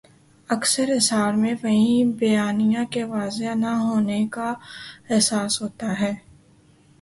اکثر اشعار میں وہی بیانیہ کے واضح نہ ہونے کا احساس ہوتا ہے۔